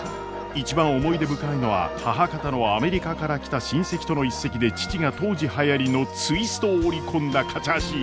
一番思い出深いのは母方のアメリカから来た親戚との一席で父が当時はやりのツイストを織り込んだカチャーシー。